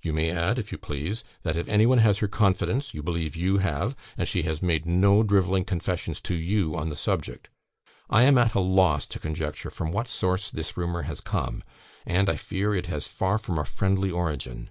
You may add, if you please, that if any one has her confidence, you believe you have, and she has made no drivelling confessions to you on the subject. I am at a loss to conjecture from what source this rumour has come; and, I fear, it has far from a friendly origin.